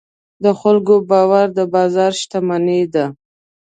د خلکو باور د بازار شتمني ده.